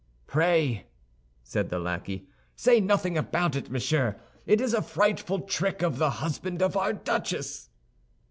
"Pray," said the lackey, "say nothing about it, monsieur; it is a frightful trick of the husband of our duchess!"